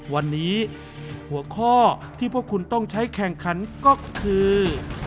วันนี้หัวข้อที่พวกคุณต้องใช้แข่งขันก็คือ